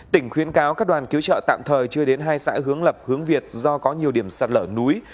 tỉnh khuyến cáo các đoàn cứu trợ tạm thời chưa đến hai xã hướng lập hướng việt do có nhiều điểm sạt lở núi